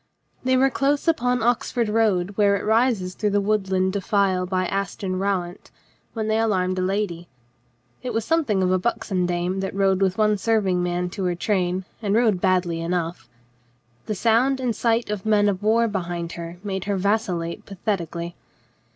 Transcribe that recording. They were close upon the Oxford road where it rises through the woodland defile by Aston Rowant when they alarmed a lady. It was something of a buxom dame that rode with one serving man to her train, and rode badly enough. The sound .and the sight of men of war behind her made her vacillate pathetically.